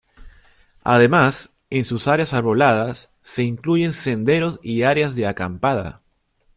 Además en sus áreas arboladas, se incluyen senderos y áreas de acampada.